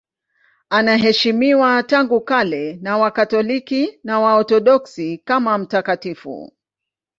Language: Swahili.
Anaheshimiwa tangu kale na Wakatoliki na Waorthodoksi kama mtakatifu.